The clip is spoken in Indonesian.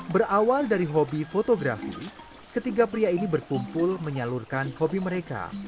berawal dari hobi fotografi ketiga pria ini berkumpul menyalurkan hobi mereka